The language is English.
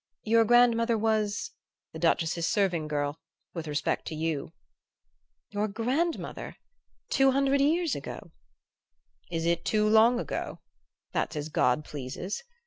Your grandmother was ?" "The Duchess's serving girl, with respect to you." "Your grandmother? Two hundred years ago?" "Is it too long ago? That's as God pleases.